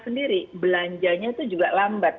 sendiri belanjanya itu juga lambat